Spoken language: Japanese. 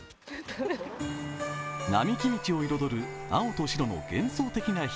並木道を彩る青と白の幻想的な光。